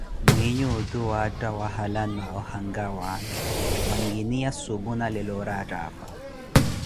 mwinyi otu waatta wahala na ohankawaani, mankini ya supu nalelo ori attapha.